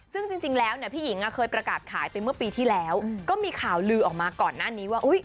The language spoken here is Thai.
ซึ่งจริงแล้วเนี่ยพี่หญิงเคยประกาศขายไปเมื่อปีที่แล้วก็มีข่าวลือออกมาก่อนหน้านี้ว่า